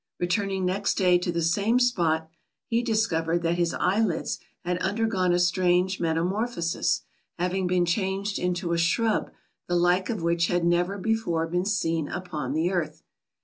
Returning next day to the same spot, he discovered that his eyelids had undergone a strange metamorphosis, having been changed into a shrub the like of which had never before been seen upon the earth.